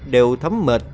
đều thấm mệt